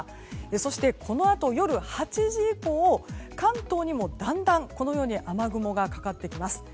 そして、このあと夜８時以降関東にもだんだんこのように雨雲がかかってきます。